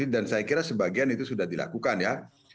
dan saya kira sebagian itu sudah dilakukan ya